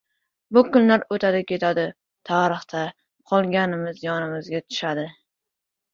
Bu kunlar o‘tadi-ketadi — tarixda qolganimiz yonimizga qoladi!